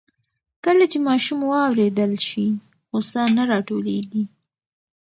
کله چې ماشوم واورېدل شي, غوسه نه راټولېږي.